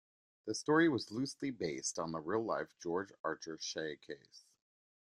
The story was loosely based on the real life George Archer-Shee case.